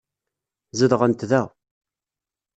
Zedɣent da.